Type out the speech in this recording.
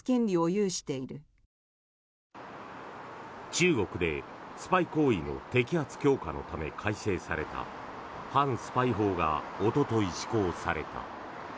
中国でスパイ行為の摘発強化のため改正された反スパイ法がおととい、施行された。